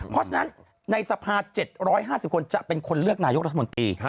เพราะฉะนั้นในสภา๗๕๐คนจะเป็นคนเลือกนายกรัฐมนตรี